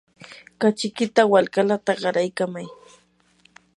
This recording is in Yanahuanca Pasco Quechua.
kachikita walkalata qaraykamay.